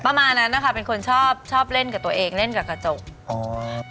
ประมาณนั้นนะคะเป็นคนชอบเล่นกับตัวเองเล่นกับกระจก